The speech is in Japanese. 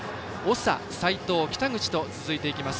長、斉藤、北口と続いていきます。